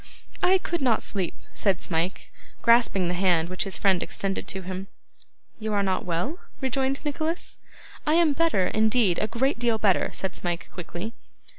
'I could not sleep,' said Smike, grasping the hand which his friend extended to him. 'You are not well?' rejoined Nicholas. 'I am better, indeed. A great deal better,' said Smike quickly.